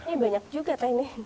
ini banyak juga teh ini